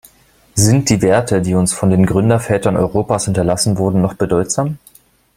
Sind die Werte, die uns von den Gründervätern Europas hinterlassen wurden, noch bedeutsam?